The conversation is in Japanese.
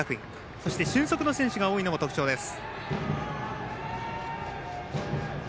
そして、俊足の選手が多いのも特徴です。